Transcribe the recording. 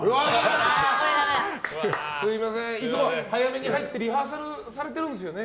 すみません、いつも早めに入ってリハーサルをされてるんですよね？